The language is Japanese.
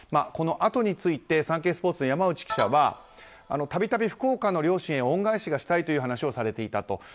このあとについてサンケイスポーツの山内記者は度々、福岡の両親へ恩返しがしたいと話をされていたと。